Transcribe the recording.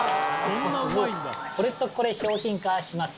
これとこれ、商品化します。